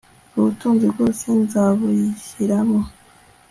ubutunzi bwose nzabuyishyiramo